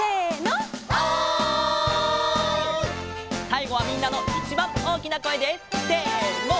さいごはみんなのいちばんおおきなこえでせの！